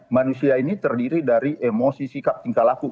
manusia ini terdiri dari emosi sikap tingkah laku